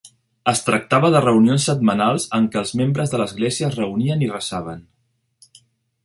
Es tractava de reunions setmanals en què els membres de l'església es reunien i resaven.